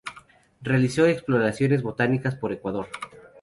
Realizó exploraciones botánicas por Ecuador.